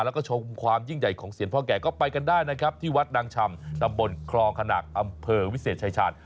แล้วก็ชมความยิ่งใหญ่ของเสียงพ่อแก่ก็ไปกันได้นะครับที่วัดนางชำตำบลคลองขนากอำเภอวิเศษชายชาญ